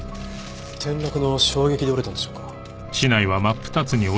転落の衝撃で折れたんでしょうか？